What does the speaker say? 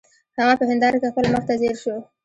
هغه په هنداره کې خپل مخ ته ځیر شو